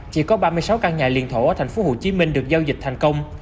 chỉ có ba mươi sáu căn nhà liên thổ ở thành phố hồ chí minh được giao dịch thành công